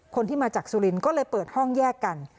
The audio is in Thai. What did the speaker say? คนที่มาจากสุรินทร์ก็เลยเปิดห้องแยกกัน